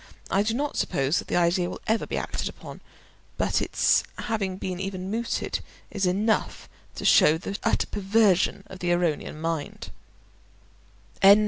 I do not suppose that the idea will be ever acted upon; but its having been even mooted is enough to show the utter perversion of the Erewhonian mind.